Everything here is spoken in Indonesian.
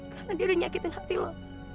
karena dia udah nyakitin hati lo